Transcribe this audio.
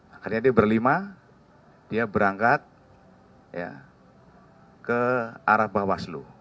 akhirnya dia berlima dia berangkat ya ke arah bawaslu